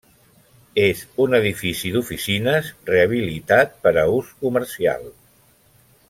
És un edifici d'oficines rehabilitat per a ús comercial.